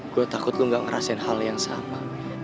gue takut lu gak ngerasain hal yang sama